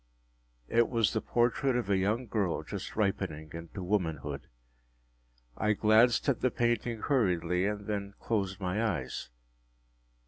It was the portrait of a young girl just ripening into womanhood. I glanced at the painting hurriedly, and then closed my eyes.